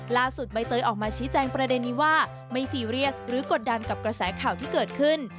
ใบเตยออกมาชี้แจงประเด็นนี้ว่าไม่ซีเรียสหรือกดดันกับกระแสข่าวที่เกิดขึ้น